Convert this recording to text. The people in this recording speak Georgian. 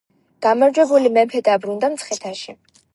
გამარჯვებული მეფე დაბრუნდა მცხეთაში.